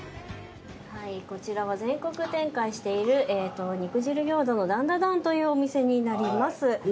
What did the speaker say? はいこちらは全国展開している肉汁餃子のダンダダンというお店になります。